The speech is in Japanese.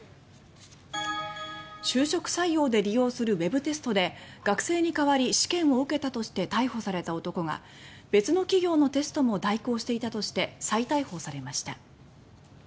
就職採用で利用するＷＥＢテストで学生に変わり試験を受けたとして逮捕された男が別の企業のテストも代行していたとして再逮捕されました。